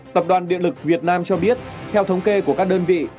tập đoàn điện lực việt nam cho biết theo thống kê của các đơn vị